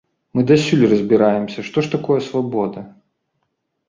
Мы дасюль разбіраемся, што ж такое свабода.